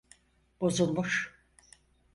Bozulmuş.